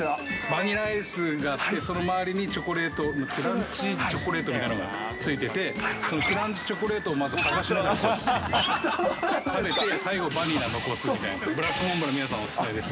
バニラアイスがあって、その周りにチョコレートの、クランチチョコレートみたいなのがついてて、クランチチョコレートをまず剥がしながら食べて、最後、バニラ残す。